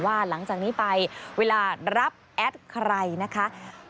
หลังจากนี้ไปเวลารับแอดใครนะคะ